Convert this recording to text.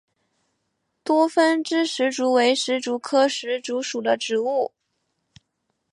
多分枝石竹为石竹科石竹属的植物。